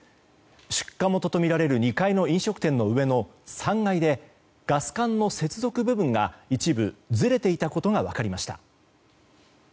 出火元とみられる２階の飲食店の上の３階でガス管の接続部分が一部ずれていたことが分かりました。